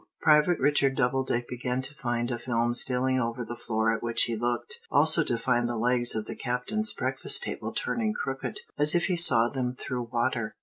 Private Richard Doubledick began to find a film stealing over the floor at which he looked; also to find the legs of the Captain's breakfast table turning crooked, as if he saw them through water.